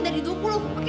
eh itu dia